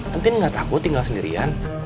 entin gak takut tinggal sendirian